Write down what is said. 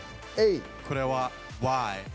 これは「Ｙ」。